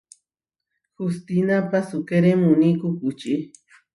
Hustína pasúkere muní kukučí.